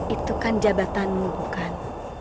itu kan jabatanmu bukan